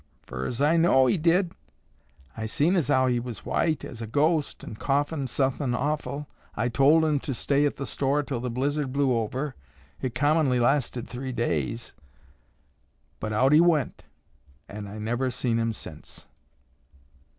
"Fur as I know he did. I seen as how he was white as a ghost an' coughin' suthin' awful. I tol' him to stay at the store till the blizzard blew over. It commonly lasted three days, but out he went an' I never seen him sence."